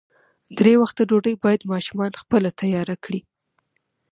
درې وخته ډوډۍ باید ماشومان خپله تیاره کړي.